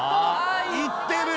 行ってる。